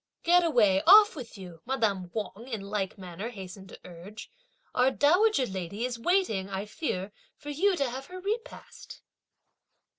"Get away, off with you!" madame Wang in like manner hastened to urge; "our dowager lady is waiting, I fear, for you to have her repast!"